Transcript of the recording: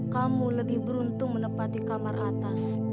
kamu lebih beruntung menepati kamar atas